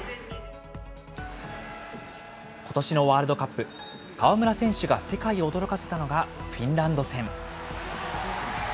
ことしのワールドカップ、河村選手が世界を驚かせたのがフィンランド戦。